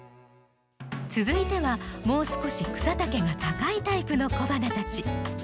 続いてはもう少し草丈が高いタイプの小花たち。